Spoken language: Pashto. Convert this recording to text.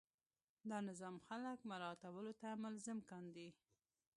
دا نظام خلک مراعاتولو ته ملزم کاندي.